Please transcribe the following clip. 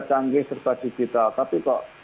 canggih serba digital tapi kok